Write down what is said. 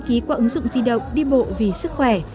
ký qua ứng dụng di động đi bộ vì sức khỏe